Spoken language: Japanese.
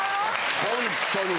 ホントに。